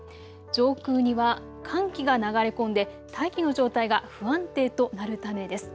上空には寒気が流れ込んで大気の状態が不安定となるためです。